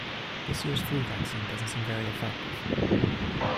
This year's flu vaccine doesn't seem very effective